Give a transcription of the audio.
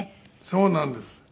そうなんです。